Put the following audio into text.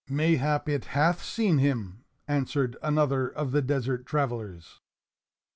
"Mayhap it hath seen him," answered another of the desert travelers.